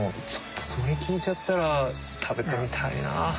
それ聞いちゃったら食べてみたいなぁ。